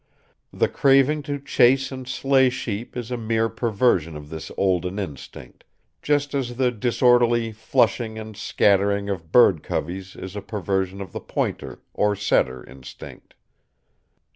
The craving to chase and slay sheep is a mere perversion of this olden instinct; just as the disorderly "flushing" and scattering of bird coveys is a perversion of the pointer or setter instinct.